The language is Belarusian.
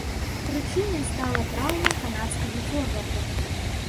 Прычынай стала траўма канадскага форварда.